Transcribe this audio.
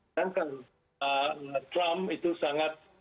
dan trump itu sangat